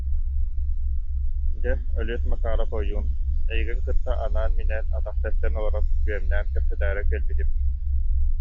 Дьэ, Өлүөс Макаарап ойуун, эйигин кытта анаан-минээн, атах тэпсэн олорон бүөмнээн кэпсэтээри кэлбитим